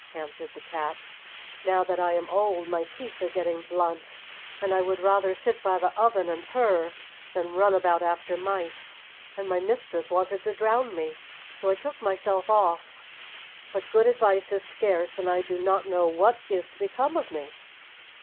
answered the cat. "Now that I am old my teeth are getting blunt, and I would rather sit by the oven and purr than run about after mice, and my mistress wanted to drown me; so I took myself off; but good advice is scarce, and I do not know what is to become of me."